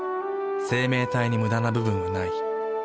生命体にムダな部分はない。